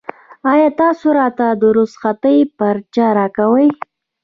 ایا تاسو راته د رخصتۍ پارچه راکوئ؟